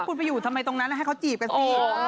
คุณไปอยู่ทำไมตรงนั้นให้เขาจีบกันสิ